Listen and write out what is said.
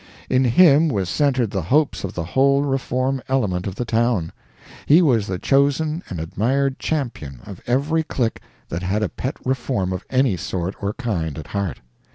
In him was centered the hopes of the whole reform element of the town; he was the chosen and admired champion of every clique that had a pet reform of any sort or kind at heart.